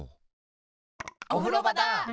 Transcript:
おふろばだ！